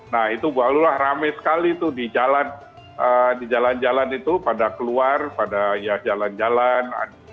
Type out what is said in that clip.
nah itu barulah rame sekali itu di jalan jalan itu pada keluar pada ya jalan jalan